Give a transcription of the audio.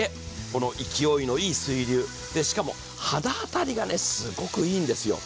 この勢いのいい水流、しかも肌当たりがすごくいいんですよ。